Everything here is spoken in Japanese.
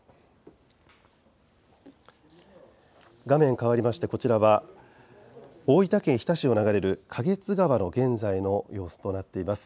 画面かわりましてこちらは大分県日田市を流れる花月川の現在の様子です。